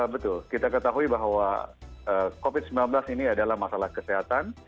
betul kita ketahui bahwa covid sembilan belas ini adalah masalah kesehatan